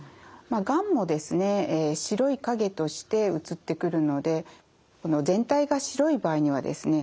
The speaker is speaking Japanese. がんもですね白い影として写ってくるのでこの全体が白い場合にはですね